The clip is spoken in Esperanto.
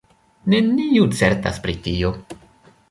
Neniu certas pri tio.